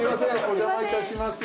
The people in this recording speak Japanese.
お邪魔いたします